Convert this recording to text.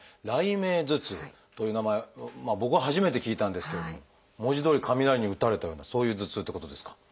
「雷鳴頭痛」という名前僕は初めて聞いたんですけれども文字どおり雷に打たれたようなそういう頭痛ってことですか？